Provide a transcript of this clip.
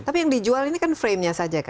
tapi yang dijual ini kan framenya saja kan ya